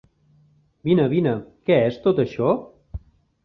Vine, vine, què és tot això?